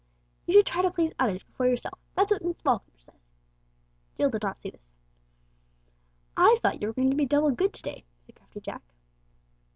You should try to please others before yourself, that's what Miss Falkner says." Jill did not see this. "I thought you were going to be double good to day," said crafty Jack.